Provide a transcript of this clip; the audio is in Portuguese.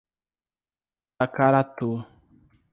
Tacaratu